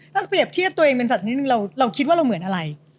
ถ้าเปรียบเทียบตัวเองเป็นสัตว์นิดนึงเราคิดว่าเราเหมือนอะไร